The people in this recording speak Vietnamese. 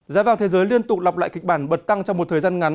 giá vàng thế giới liên tục lọc lại kịch bản bật tăng trong một thời gian ngắn